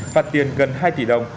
phạt tiền gần hai tỷ đồng